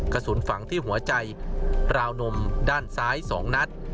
กระสุนฝังที่หัวใจราวนมด้านซ้าย๒นัด